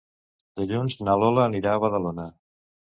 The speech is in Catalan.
Dilluns na Lola anirà a Badalona.